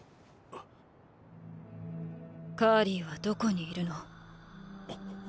カーリーはどこにいるの？